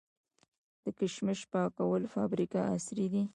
د کشمش پاکولو فابریکې عصري دي؟